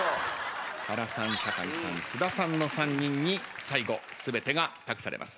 原さん酒井さん菅田さんの３人に最後全てが託されます。